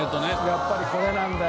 やっぱりこれなんだよ。